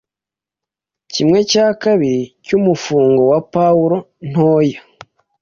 kimwe cya kabiri cy’umufungo wa puwaro ntoya